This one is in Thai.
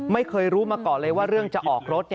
ไม่เคยรู้มาก่อนเลยว่าเรื่องจะออกรถ